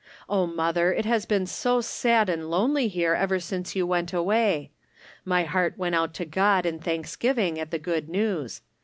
Oh, mother, it has been so sad and lonely here ever since you went away. My heart went out to God in thanksgiving at the good news.